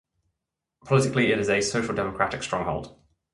Politically it is a Social Democratic stronghold.